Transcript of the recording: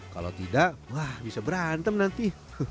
kalau tidak wah bisa berantem nanti